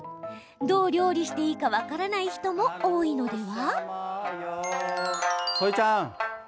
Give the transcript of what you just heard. どう料理していいか分からない人も多いのでは？